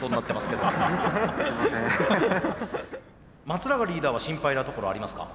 松永リーダーは心配なところありますか？